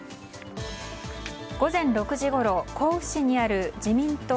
午前６時ごろ、甲府市にある自民党